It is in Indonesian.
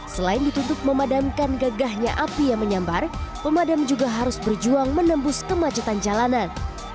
selain ditutup memadamkan gagahnya api yang menyambar pemadam juga harus berjuang menembus kemacetan jalanan